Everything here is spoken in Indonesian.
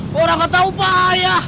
kok orang gak tau pahaya